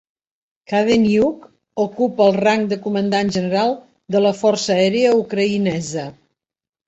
Kadeniuk ocupa el rang de comandant general de la Força Aèria Ucraïnesa.